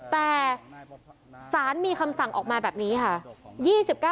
แต่สารมีคำสั่งออกมาแบบนี้ค่ะ